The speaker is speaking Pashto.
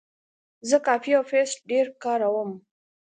زه کاپي او پیسټ ډېر کاروم.